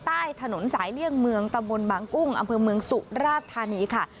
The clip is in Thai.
ใต้ถนนสายเลี่ยงเมืองตะบนบางกุ้งอำเภอเมืองสุราชธานีค่ะ